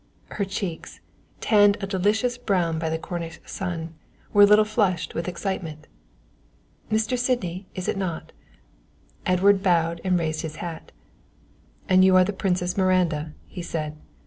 Her cheeks, tanned a delicious brown by the Cornish sun, were a little flushed with excitement. "Mr. Sydney, is it not?" Edward bowed and raised his hat. "And you are the Princess Miranda," he said.